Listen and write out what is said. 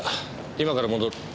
今から戻る。